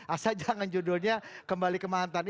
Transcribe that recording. asal jangan judulnya kembali kemantan